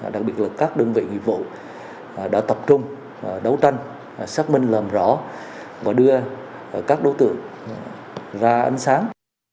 đặc biệt là các đơn vị nghiệp vụ đã tập trung đấu tranh xác minh làm rõ và đưa các đối tượng ra ánh sáng